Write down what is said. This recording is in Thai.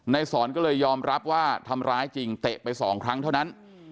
สอนก็เลยยอมรับว่าทำร้ายจริงเตะไปสองครั้งเท่านั้น